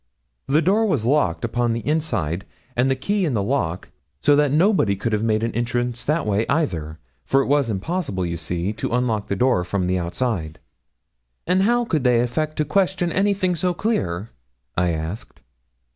The door was locked upon the inside, and the key in the lock, so that nobody could have made an entrance that way either, for it was impossible, you see, to unlock the door from the outside.' 'And how could they affect to question anything so clear?' I asked.